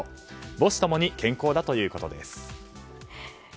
母子共に健康だということです。